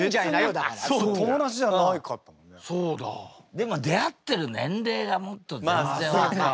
でも出会ってる年齢がもっと全然若い。